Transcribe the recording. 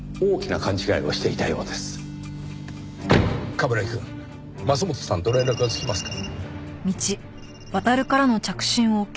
冠城くん桝本さんと連絡はつきますか？